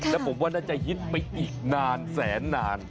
แล้วผมว่าน่าจะฮิตไปอีกนานแสนนาน